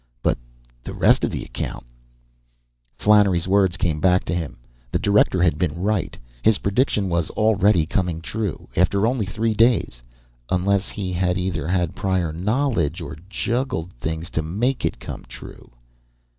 But the rest of the account Flannery's words came back to him. The director had been right. His prediction was already coming true, after only three days unless he had either had prior knowledge or juggled things to make it come true!